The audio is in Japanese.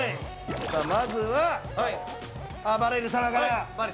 まずは、あばれる様から。